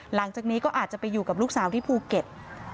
หลังจากนี้ก็อาจจะไปอยู่กับลูกสาวที่ภูเก็ต